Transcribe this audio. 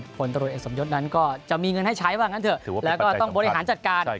คนตระโดยและสนมยกษ์นั้นก็จะมีเงินได้ใช้แล้วก็ต้องบริหารจัดการ